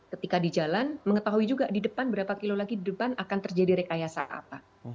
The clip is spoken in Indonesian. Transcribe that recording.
ketika di jalan mengetahui juga di depan berapa kilo lagi di depan akan terjadi rekayasa apa